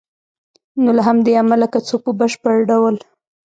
نو له همدې امله که څوک په بشپړ ډول